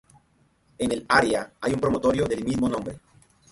En el área hay un promontorio del mismo nombre.